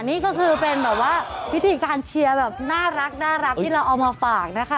นี่ก็คือเป็นแบบว่าพิธีการเชียร์แบบน่ารักที่เราเอามาฝากนะคะ